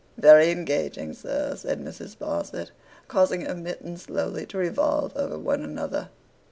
'Very engaging, sir,' said Mrs. Sparsit, causing her mittens slowly to revolve over one another.